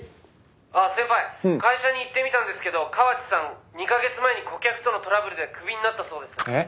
「あっ先輩会社に行ってみたんですけど河内さん２カ月前に顧客とのトラブルでクビになったそうです」えっ？